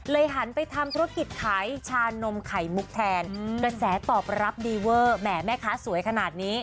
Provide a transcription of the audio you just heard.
หันไปทำธุรกิจขายชานมไข่มุกแทนกระแสตอบรับดีเวอร์แหมแม่ค้าสวยขนาดนี้